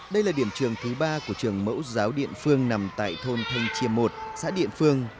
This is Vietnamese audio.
đây là điểm trường thứ ba của trường mẫu giáo điện phương nằm tại thôn thanh chiêm một xã điện phương